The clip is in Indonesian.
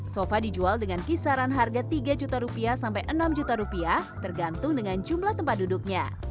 sofa dijual dengan kisaran harga rp tiga juta sampai rp enam juta tergantung dengan jumlah tempat duduknya